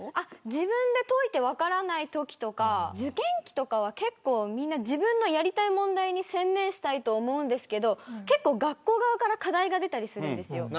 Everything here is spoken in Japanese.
自分で解いて分からないときとか受験期とかは結構みんな自分のやりたい問題に専念したいと思うんですが学校側から課題が出たりするんです。